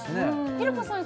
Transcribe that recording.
平子さん